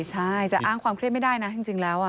ใช่จะอ้างความเครียดไม่ได้นะจริงแล้ว